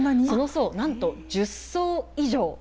その層、なんと、１０層以上。